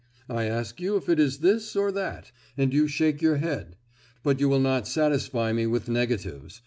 I ask you if it is this, or that; and you shake your head. But you will not satisfy me with negatives.